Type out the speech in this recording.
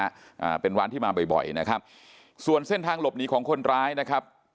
อ่าเป็นร้านที่มาบ่อยบ่อยนะครับส่วนเส้นทางหลบหนีของคนร้ายนะครับ